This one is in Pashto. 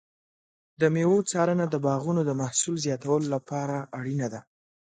د مېوو څارنه د باغونو د محصول زیاتولو لپاره اړینه ده.